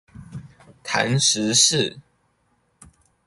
談時事